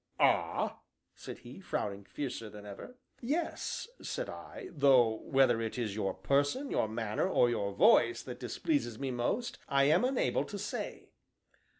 "Ah?" said he, frowning fiercer than ever. "Yes," said I, "though whether it is your person, your manner, or your voice that displeases me most, I am unable to say."